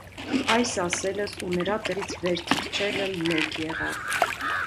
Այս ասելս ու նրա տեղից վեր թռչելը մեկ եղավ: